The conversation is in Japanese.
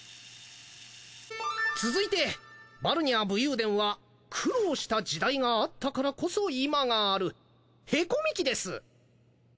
続いてバルニャー武勇伝は苦労した時代があったからこそ今がある「凹み期」です